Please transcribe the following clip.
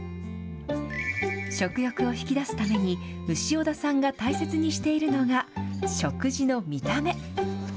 食欲を引き出すために、潮田さんが大切にしているのが、食事の見た目。